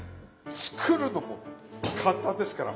作るのも簡単ですから。